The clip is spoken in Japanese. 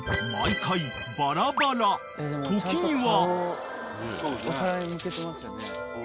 ［時には］